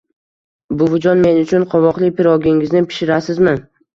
- Buvijon, men uchun qovoqli pirogingizni pishirasizmi?